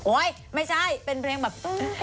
ไม่ใช่เป็นเพลงแบบ